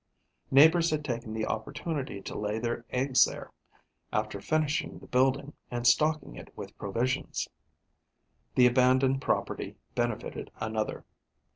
Neighbours had taken the opportunity to lay their eggs there, after finishing the building and stocking it with provisions. The abandoned property benefited another.